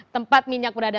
tempat minyak berada